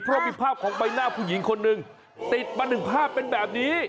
เพราะมีภาพของใบหน้าผู้หญิงคนหนึ่งติดเป็นแบบนี้